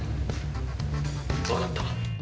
分かった。